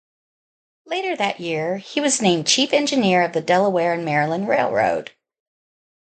Later that year, he was named chief engineer of the Delaware and Maryland Railroad.